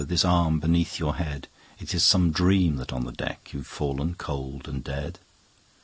This arm beneath your head! It is some dream that on the deck 15 You've fallen cold and dead.